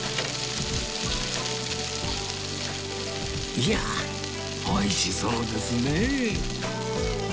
いや美味しそうですね